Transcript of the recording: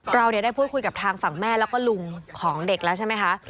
เราได้พูดคุยกับทางฝั่งแม่แล้วก็ลุงของเด็กแล้วใช่ไหมคะ